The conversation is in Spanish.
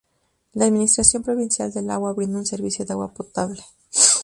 La Administración Provincial del Agua brinda un servicio de agua potable.